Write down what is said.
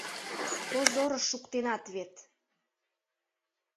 Позорыш шуктенат вет!..